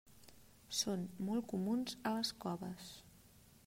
Són molt comuns a les coves.